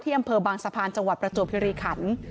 อำเภอบางสะพานจังหวัดประจวบคิริขัน